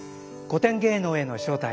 「古典芸能への招待」